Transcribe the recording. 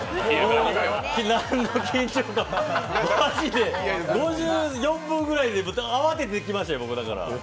何の緊張感もなくマジで５４分ぐらいで慌てて来ましたよ。